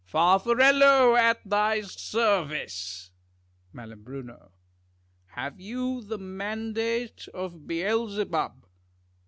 Farfarello, at thy service. Mai. Have you the mandate of Beelzebub